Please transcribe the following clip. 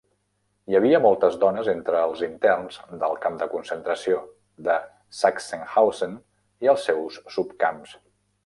Hi havia moltes dones entre els interns del camp de concentració de Sachsenhausen i els seus subcamps.